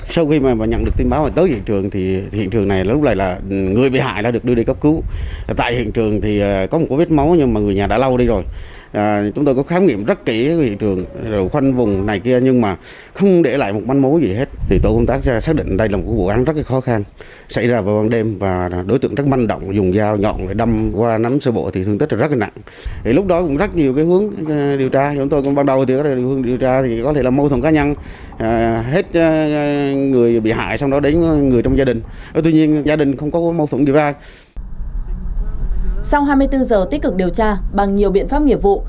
sau hai mươi bốn giờ tích cực điều tra bằng nhiều biện pháp nghiệp vụ